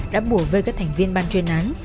đã bùa vơi các thành viên ban chuyên án